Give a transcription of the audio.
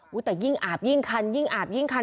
แต่ยิ่งอาบยิ่งคันยิ่งอาบยิ่งคัน